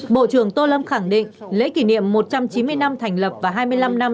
bộ trưởng tô lâm khẳng định lễ kỷ niệm một trăm chín mươi năm thành lập và hai mươi năm năm